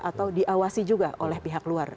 atau diawasi juga oleh pihak luar